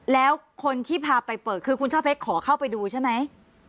แล้วคนที่พาไปเปิดคือคุณช่อเพชรขอเข้าไปดูใช่ไหม